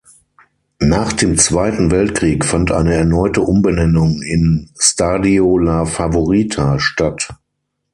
Nach dem Zweiten Weltkrieg fand eine erneute Umbenennung in "Stadio La Favorita" statt.